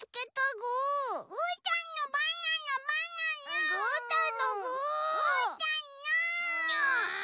うーたんの！